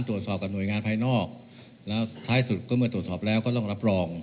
กับหน่วยงานภายนอกแล้วท้ายสุดก็เมื่อตรวจสอบแล้วก็ต้องรับรอง